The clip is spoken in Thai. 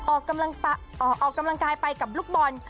ออกกำลังกายไปกับลูกบอล